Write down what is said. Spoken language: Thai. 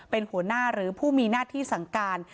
เป็นหัวหน้าหรือผู้มีหน้าที่สั่งการ